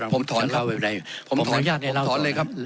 ผมขออนุญาตให้เล่าต่อเลยครับ